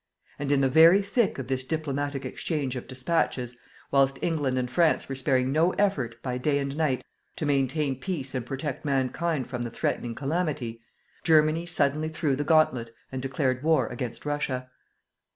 And in the very thick of this diplomatic exchange of despatches, whilst England and France were sparing no effort, by day and night, to maintain peace and protect Mankind from the threatening calamity, Germany suddenly threw the gauntlet and declared war against Russia.